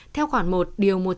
theo khoảng một điều mô xuyên